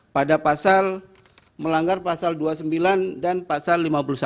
pada pasal melanggar pasal dua puluh sembilan dan pasal lima puluh satu